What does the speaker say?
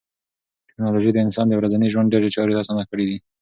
ټکنالوژي د انسان د ورځني ژوند ډېری چارې اسانه کړې دي.